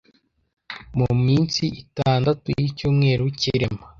mu minsi itandatu y’icyumweru cy’irema